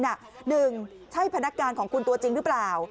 ๑ไปให้ภานักการณ์ของคุณตัวจริงหรือเปล่า